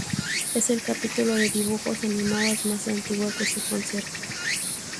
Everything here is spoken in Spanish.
Es el capítulo de dibujos animados más antiguo que se conserva.